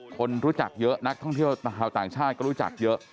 คนรู้จักเยอะนักท่องเที่ยวชาวต่างชาติก็รู้จักเยอะ